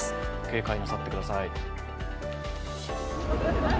警戒なさってください。